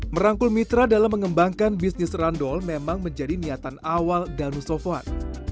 merangkul mitra dalam mengembangkan bisnis randol memang menjadi niatan awal danu sofwan